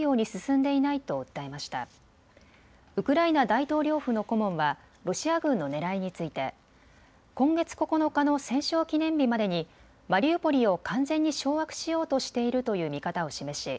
大統領府の顧問はロシア軍のねらいについて今月９日の戦勝記念日までにマリウポリを完全に掌握しようとしているという見方を示し